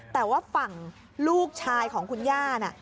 แต่ว่าฝั่งลูกชายของคุณย่าน่ะ